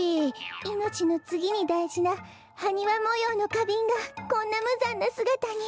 いのちのつぎにだいじなはにわもようのかびんがこんなむざんなすがたに。